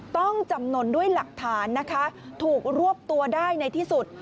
ต้องจำนวนด้วยหลักฐานนะคะถูกรวบตัวได้ในที่สุด